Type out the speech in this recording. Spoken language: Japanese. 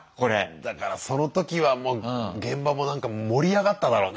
だからそのときはもう現場もなんか盛り上がっただろうね。